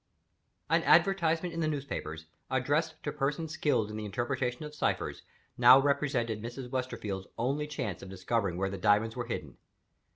An advertisement in the newspapers, addressed to persons skilled in the interpretation of ciphers, now represented Mrs. Westerfield's only chance of discovering where the diamonds were hidden.